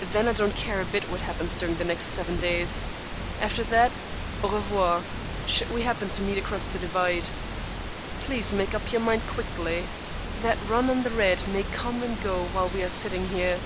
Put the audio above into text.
"Then I don't care a bit what happens during the next seven days. After that, au revoir, should we happen to meet across the divide. Please make up your mind quickly. That run on the red may come and go while we are sitting here."